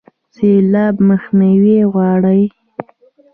سیلاب مخنیوی غواړي